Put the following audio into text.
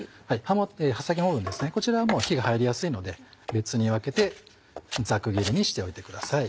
葉先の部分ですねこちらはもう火が入りやすいので別に分けてざく切りにしておいてください。